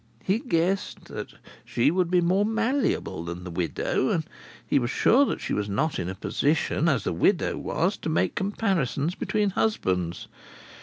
He guessed that she would be more malleable than the widow, and he was sure that she was not in a position, as the widow was, to make comparisons between husbands.